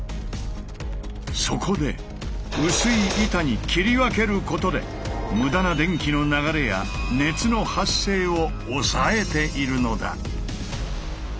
そこで薄い板に切り分けることで無駄な電気の流れや熱の発生を抑えているのだ。